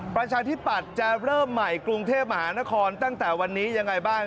ประชาธิปัตย์จะเริ่มใหม่กรุงเทพมหานครตั้งแต่วันนี้ยังไงบ้าง